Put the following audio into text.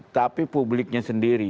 tapi publiknya sendiri